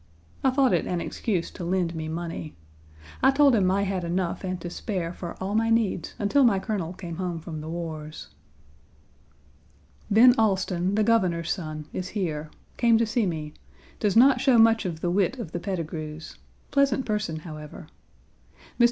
I thought it an excuse to lend me money. I told him I had enough and to spare for all my needs until my Colonel came home from the wars. Ben Allston, the Governor's son, is here came to see me; does not show much of the wit of the Petigrus; pleasant person, however. Mr.